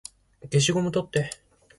消しゴム取って